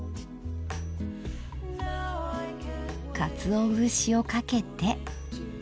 かつお節をかけて。